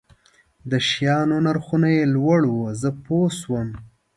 د شیانو نرخونه یې لوړ وو، زه پوه شوم.